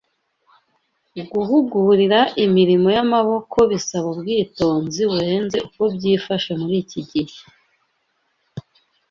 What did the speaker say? Guhugurira imirimo y’amaboko bisaba ubwitonzi burenze uko byifashe muri iki gihe